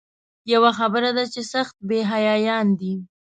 یوه خبره ده چې سخت بې حیایان دي.